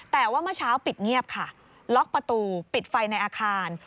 แต่ว่าเมื่อเช้าปิดเงียบค่ะล็อกประตูปิดไฟในอาคาร